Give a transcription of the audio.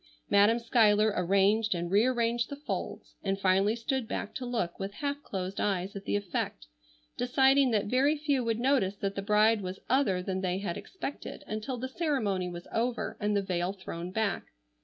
Madam Schuyler arranged and rearranged the folds, and finally stood back to look with half closed eyes at the effect, deciding that very few would notice that the bride was other than they had expected until the ceremony was over and the veil thrown back.